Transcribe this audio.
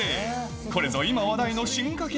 これぞ今話題の進化系